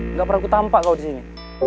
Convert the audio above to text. nggak pernah aku tampak kalau di sini